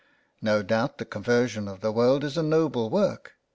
No doubt the conversion of the world is a noble work.